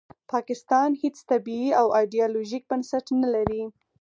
پاکستان هیڅ طبیعي او ایډیالوژیک بنسټ نلري